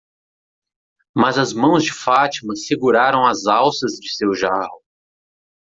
Mas as mãos de Fátima seguraram as alças de seu jarro.